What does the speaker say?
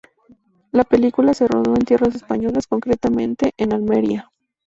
La película se rodó en tierras españolas, concretamente en Almería.